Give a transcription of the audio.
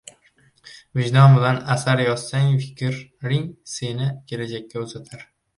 Vijdon bilan asar yozsang, fikring seni kelajakka uzatar